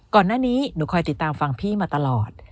ก่อนหน้านี้หนูคอยติดตามฟังพี่มาตลอด